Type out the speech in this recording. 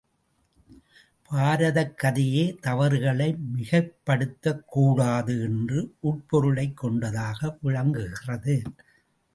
பாரதக்கதையே தவறுகளை மிகைப்படுத்தக்கூடாது என்ற உட்பொருளைக் கொண்டதாக விளங்குகிறது.